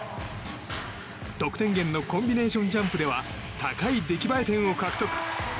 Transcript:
得点源のコンビネーションジャンプでは高い出来栄え点を獲得。